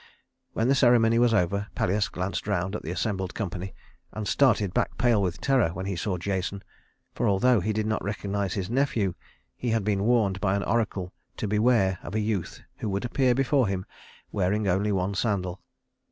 When the ceremony was over, Pelias glanced around at the assembled company, and started back pale with terror when he saw Jason; for although he did not recognize his nephew, he had been warned by an oracle to beware of a youth who would appear before him wearing only one sandal.